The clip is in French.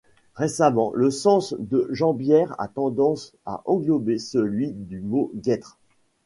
Récemment, le sens de jambière a tendance à englober celui du mot guêtres.